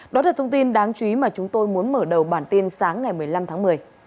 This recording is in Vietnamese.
đó là thông tin đáng chú ý mà chúng tôi muốn mở đầu bản tin sáng ngày một mươi năm tháng một mươi